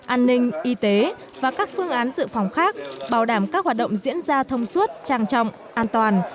an ninh y tế và các phương án dự phòng khác bảo đảm các hoạt động diễn ra thông suốt trang trọng an toàn